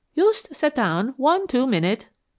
Yust set down one, two minute."